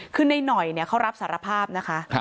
คือในหน่อยเขารับสารภาพนะคะ